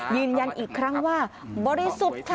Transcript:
ยืนยันอีกครั้งว่าบริสุทธิ์ค่ะ